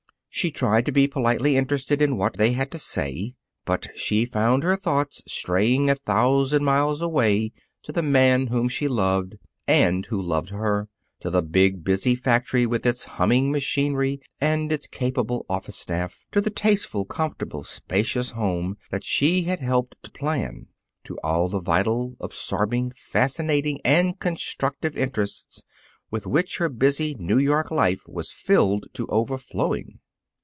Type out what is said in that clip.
She tried to be politely interested in what they had to say, but she found her thoughts straying a thousand miles away to the man whom she loved and who loved her, to the big, busy factory with its humming machinery and its capable office staff, to the tasteful, comfortable, spacious house that she had helped to plan; to all the vital absorbing, fascinating and constructive interests with which her busy New York life was filled to overflowing.